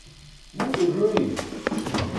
muuto ẓuyin